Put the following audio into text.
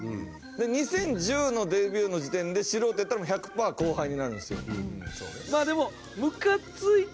２０１０のデビューの時点で素人やったら１００パー後輩になるんですよ。